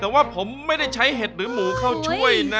แต่ว่าผมไม่ได้ใช้เห็ดหรือหมูเข้าช่วยนะ